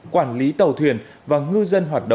quản lý tàu thuyền và nghiên cứu